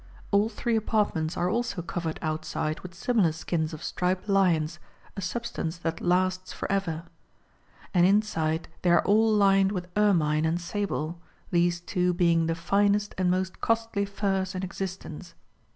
All three apartments are also covered outside with similar skins of striped lions, a substance that lasts for ever.^ And inside they are all lined with ermine and sable, these two being the finest and most costly furs in existence.